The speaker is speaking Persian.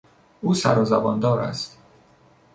او سر و زباندار است.